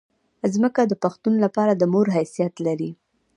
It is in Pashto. ځمکه د پښتون لپاره د مور حیثیت لري.